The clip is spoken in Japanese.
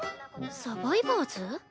「サバイバーズ」？